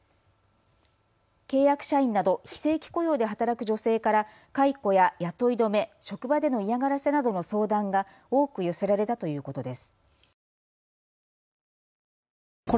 契約社員など非正規雇用で働く女性から解雇や雇い止め、職場での嫌がらせなどの相談が多く寄せられたということです。